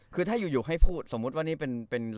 คือถ้าอยู่ให้พูดสมมุติว่านี่เป็น